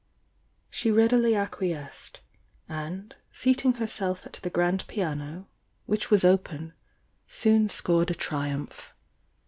She readily acquiesced, and seating herself at the grand piano, which was open, soon scored a triumph.